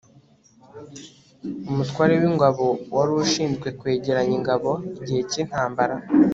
umutware w'ingabo wari ushinzwe kwegeranya ingabo igihe cy'intambara